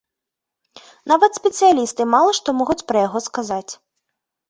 Нават спецыялісты мала што могуць пра яго сказаць.